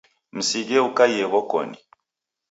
Msighe ukaiye w'okoni.